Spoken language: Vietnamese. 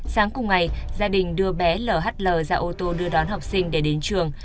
sáng cùng ngày gia đình đưa bé lhl ra ô tô đưa đón học sinh để đến trường